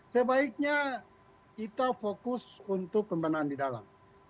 sebaiknya kita fokus untuk pembinaan di dalam